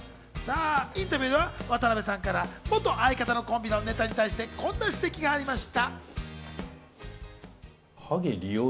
インタビューでは渡辺さんから元相方のコンビのネタに対して、こんな指摘がありました。